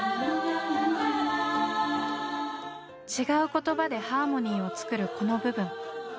違う言葉でハーモニーを作るこの部分。